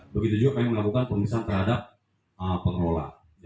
begitu juga kami melakukan pemeriksaan terhadap pengelola